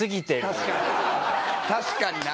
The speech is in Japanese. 確かにな。